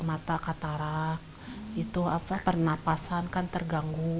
mata katarak pernafasan karena terganggu